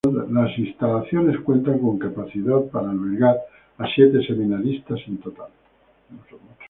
Las instalaciones cuentan con capacidad para albergar a siete seminaristas en total.